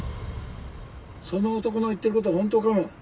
その男の言ってることホントかも。